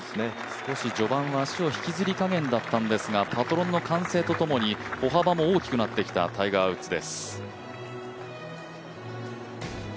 少し序盤は足を引きずっていたんですがパトロンの歓声とともに、歩幅も大きくなってきたタイガー・ウッズです。